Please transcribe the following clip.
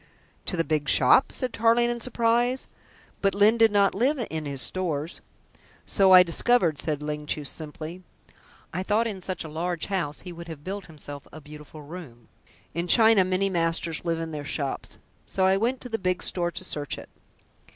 "To the big shop?" said Tarling in surprise. "But Lyne did not live in his stores!" "So I discovered," said Ling Chu simply. "I thought in such a large house he would have built himself a beautiful room. In China many masters live in their shops. So I went to the big store to search it."